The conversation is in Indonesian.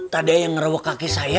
tadi aja yang ngerewok kaki saya